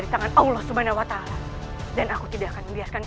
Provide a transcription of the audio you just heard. di tangan allah subhanahu wa ta'ala dan aku tidak akan berhenti